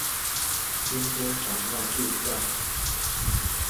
今天想要介紹